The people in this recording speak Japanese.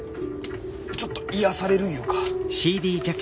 ちょっと癒やされるいうか。